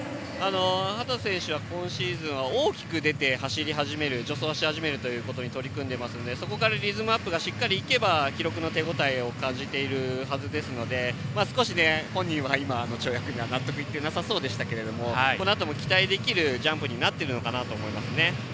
秦選手は今シーズンは大きく出て助走をし始めることに取り組んでいますがリズムアップすれば記録の手応えを感じているはずですので少し本人は今の跳躍に納得いってなさそうでしたけどこのあとも期待できる跳躍になっているのかなと思います。